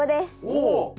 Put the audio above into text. おお！